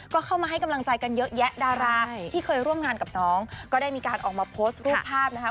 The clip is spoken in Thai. ก็เข้ามาให้กำลังใจกันเยอะแยะดาราที่เคยร่วมงานกับน้องก็ได้มีการออกมาโพสต์รูปภาพนะคะ